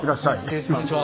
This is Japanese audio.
こんにちは。